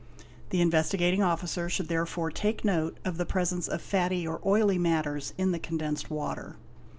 The Investigating Officer should therefore take note of the presence of fatty or oily matters in the condensed water.